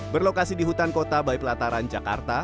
berlokasi di hutan kota baipelataran jakarta